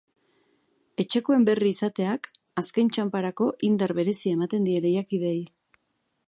Etxekoen berri izateak azken txanparako indar berezia ematen die lehiakideei.